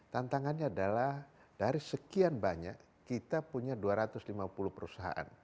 tantangannya adalah dari sekian banyak kita punya dua ratus lima puluh perusahaan